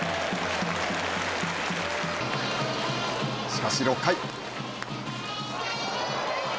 しかし、６回。